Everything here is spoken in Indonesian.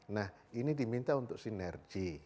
nah ini diminta untuk sinergi